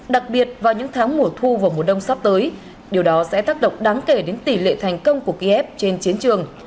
đặc biệt vào những tháng mùa thu và mùa đông sắp tới điều đó sẽ tác động đáng kể đến tỷ lệ thành công của kiev trên chiến trường